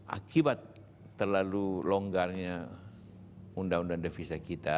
akibat terlalu longgar nya undang undang devisa kita